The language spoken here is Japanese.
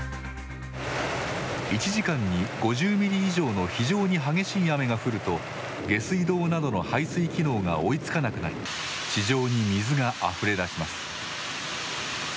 １時間に５０ミリ以上の非常に激しい雨が降ると下水道などの排水機能が追いつかなくなり地上に水があふれ出します。